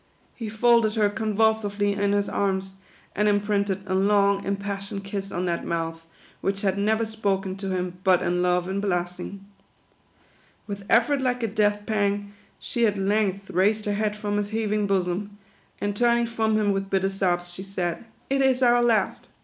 He folded her convulsively in his arms, and imprinted a long, impassioned kiss on that mouth, which had never spoken to him but in love and blessing. With effort like a death pang, she at length raised her head from his heaving bosom, and turning from him with bitter sobs, she said, "It is our last.